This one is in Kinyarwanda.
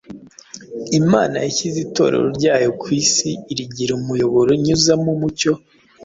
Imana yashyize Itorero ryayo ku isi irigira umuyoboro inyuzamo umucyo